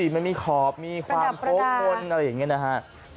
มันมีขอบมีความโค้งคนอะไรอย่างนี้นะฮะ